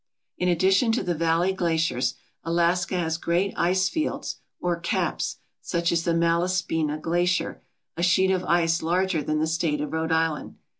In addition to the valley glaciers, Alaska has great ice fields or caps, such as the Malaspina Glacier, a sheet of ice larger than the state of Rhode Island.